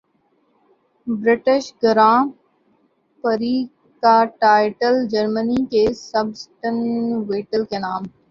British grand prix کا title Germany کے Sebastian Vettel کے نام